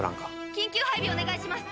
緊急配備お願いします。